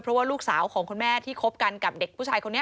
เพราะว่าลูกสาวของคุณแม่ที่คบกันกับเด็กผู้ชายคนนี้